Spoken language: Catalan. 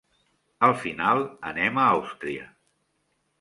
Al final anem a Àustria.